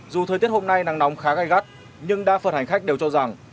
dù thời tiết hôm nay nắng nóng khá gai gắt nhưng đa phần hành khách đều cho rằng